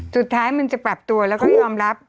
สุดท้ายมันจะปรับตัวแล้วก็ยอมรับ